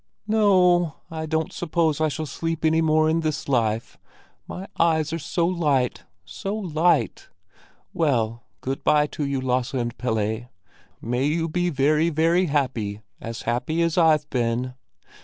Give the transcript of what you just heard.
"No, I don't suppose I shall sleep any more in this life; my eyes are so light, so light! Well, good bye to you, Lasse and Pelle! May you be very, very happy, as happy as I've been.